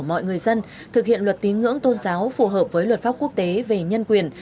mọi người dân thực hiện luật tín ngưỡng tôn giáo phù hợp với luật pháp quốc tế về nhân quyền